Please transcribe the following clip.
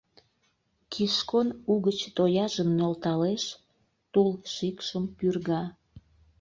Кишкон угыч тояжым нӧлталеш, тул-шикшым пӱрга.